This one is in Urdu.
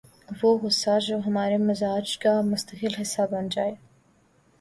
وہ غصہ جو ہمارے مزاج کا مستقل حصہ بن جائے